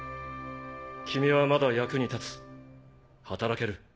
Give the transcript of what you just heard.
君はまだ役に立つ働ける。